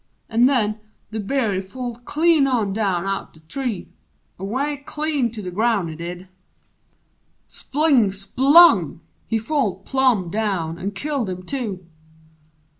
An' nen the Bear he falled clean on down out The tree away clean to the ground, he did Spling splung! he falled plum down, an' killed him, too!